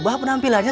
apa yang berikutnya